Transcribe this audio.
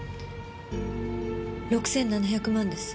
６７００万です。